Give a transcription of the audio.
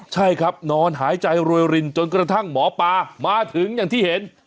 ใช่ครับนอนหายใจรวยรินจนกระทั่งหมอปลามาถึงอย่างที่เห็น